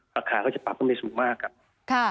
ราคาก็จะปรับขึ้นไปสูงมากอะ